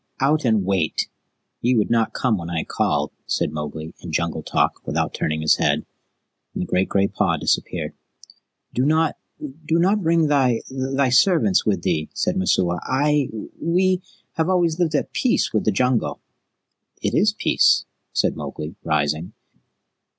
"Out and wait! Ye would not come when I called," said Mowgli in Jungle talk, without turning his head, and the great gray paw disappeared. "Do not do not bring thy thy servants with thee," said Messua. "I we have always lived at peace with the Jungle." "It is peace," said Mowgli, rising.